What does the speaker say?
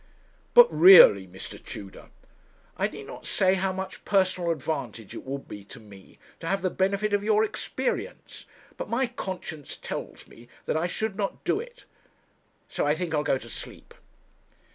'But really, Mr. Tudor ' 'I need not say how much personal advantage it would be to me to have the benefit of your experience, but my conscience tells me that I should not do it so I think I'll go to sleep.'